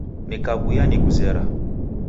Nikawuya nikuzera